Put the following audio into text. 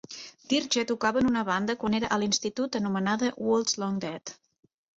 Dirge tocava en una banda quan era a l'institut anomenada Worlds Long Dead.